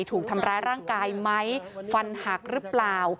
ถูกทำร้ายร่างกายไหมฟันหักหรือเปล่า